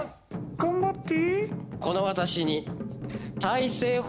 頑張って！